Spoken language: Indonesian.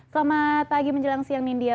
selamat pagi menjelang siang nindya